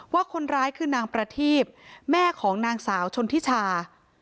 ว่าคนร้ายคือนางประทีบแม่ของนางสาวชนทิชา